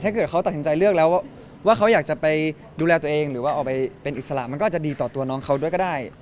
ถ้าเกิดเขาตัดสินใจเลือกแล้วว่าเขาอยากจะไปดูแลตัวเองหรือว่าออกไปเป็นอิสระมันก็จะดีต่อตัวน้องเขาด้วยก็ได้